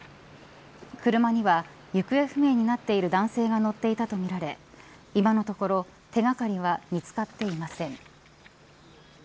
車には行方不明になっている男性が乗っていたとみられ今のところ手掛かりは見つかっていません。